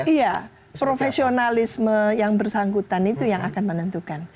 iya profesionalisme yang bersangkutan itu yang akan menentukan